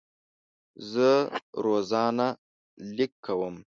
زه روزانه لیک کوم.